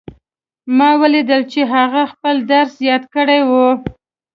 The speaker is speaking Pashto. ما ولیدل چې هغې خپل درس یاد کړی وو